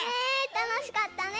たのしかったね。